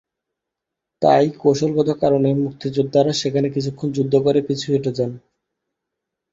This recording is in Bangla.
তাই কৌশলগত কারণে মুক্তিযোদ্ধারা সেখানে কিছুক্ষণ যুদ্ধ করে পিছু হটে যান।